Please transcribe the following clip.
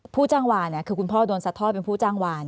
ผู้จังหวานเนี่ยคือคุณพ่อโดนสัดทอดเป็นผู้จังหวาน